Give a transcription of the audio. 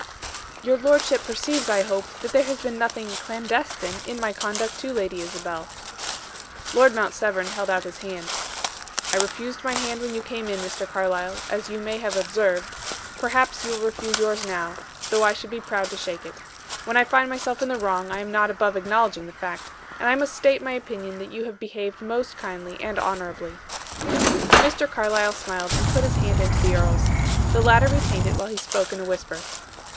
"Your lordship perceives, I hope, that there has been nothing 'clandestine' in my conduct to Lady Isabel." Lord Mount Severn held out his hand. "I refused my hand when you came in, Mr. Carlyle, as you may have observed, perhaps you will refuse yours now, though I should be proud to shake it. When I find myself in the wrong, I am not above acknowledging the fact; and I must state my opinion that you have behaved most kindly and honorably." Mr. Carlyle smiled and put his hand into the earl's. The latter retained it, while he spoke in a whisper.